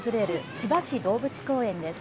千葉市動物公園です。